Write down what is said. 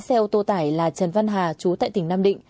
xe ô tô tải là trần văn hà chú tại tỉnh nam định